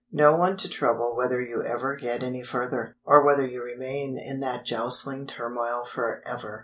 No one to trouble whether you ever get any further, or whether you remain in that jostling turmoil for ever.